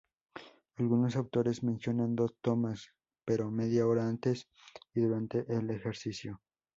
Algunos autores mencionan dos tomas, pero media hora antes y 'durante el ejercicio'.